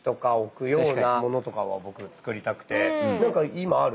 何か今ある？